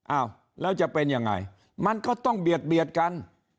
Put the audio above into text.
อ้าวแล้วจะเป็นยังไงมันก็ต้องเบียดกัน